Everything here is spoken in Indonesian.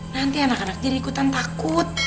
nanti anak anak jadi ikutan takut